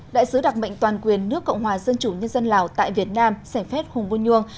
đại sứ đặc mệnh toàn quyền nước cộng hòa dân chủ nhân dân lào tại việt nam sẻng phết hùng vô nhuông